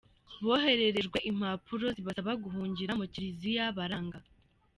Bohererejwe impapuro zibasaba guhungira mu kiliziya baranga.